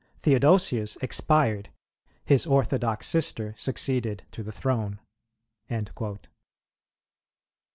Theodosius expired, his orthodox sister succeeded to the throne."[44:1] 3.